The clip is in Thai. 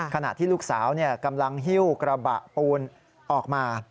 ขณะที่ลูกสาวกำลังฮิ้วกระบะปูนออกมา